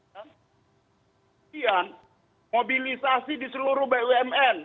dan kemudian mobilisasi di seluruh bumn